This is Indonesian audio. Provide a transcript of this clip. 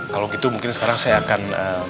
kalau gitu mungkin sekarang saya akan